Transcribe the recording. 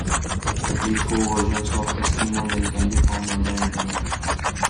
At least four versions of "Eskimo Nell" can be found on the internet.